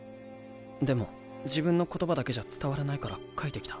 でも自分の言葉だけじゃ伝わらないから描いてきた。